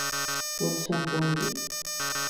半信半疑